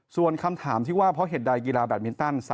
ส่วนคำถามที่ว่าเพราะเหตุใดกีฬาแบตมินตัน